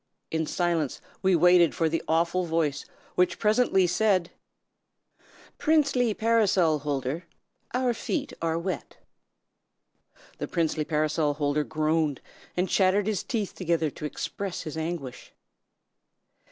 In silence we waited for the awful voice, which presently said: "'Princely Parasol Holder, our feet are wet.' "The Princely Parasol Holder groaned, and chattered his teeth together to express his anguish.